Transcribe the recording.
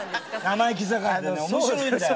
生意気盛りでね面白いんだよ。